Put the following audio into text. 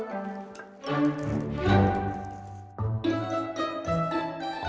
mas aku mau pamer